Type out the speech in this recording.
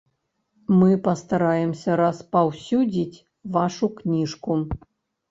Мы пастараемся распаўсюдзіць вашу кніжку.